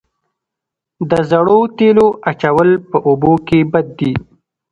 د زړو تیلو اچول په اوبو کې بد دي؟